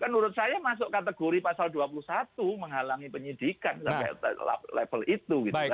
menurut saya masuk kategori pasal dua puluh satu menghalangi penyidikan sampai level itu